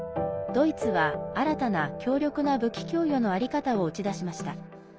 ドイツは、新たな強力な武器供与の在り方を打ち出しました。